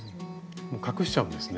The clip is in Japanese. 隠しちゃうんですね。